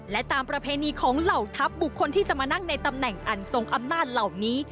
และตามประเพณีของเหล่าทัพบุคคลที่จะมานั่งในตำแหน่งอันทรงอำนาจเหล่านี้